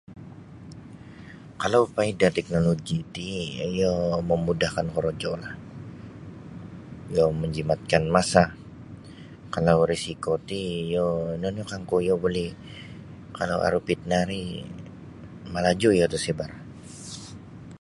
Kalau paidah teknoloji ti iyo mamudahkan korojolah iyo manjimatkan masa kalau risiko ti iyo ino nio kangku iyo buli kalau aru fitnah ri malaju iyo dasibar.